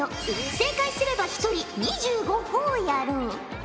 正解すれば１人２５ほぉやろう。